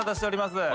お願いします。